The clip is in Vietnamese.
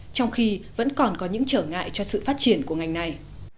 trong khi vẫn còn có những trở ngại cho sự phát triển của ngành này